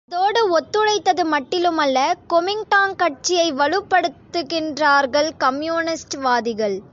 அதோடு ஒத்துழைத்தது மட்டிலுமல்ல கொமிங்டாங்கட்சியை வலுப்படுத்துகின்றார்கள் கம்யூனிஸ்ட்வாதிகள்.